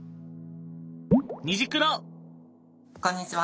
こんにちは！